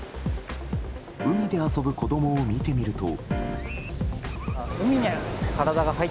海で遊ぶ子供を見てみると。